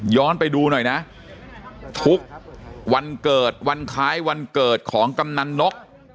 ไปดูหน่อยนะทุกวันเกิดวันคล้ายวันเกิดของกำนันนก